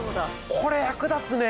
これ役立つね！